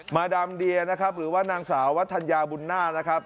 มาดามเดียหรือว่านางสาววัตถัญญาบุญนานะครับ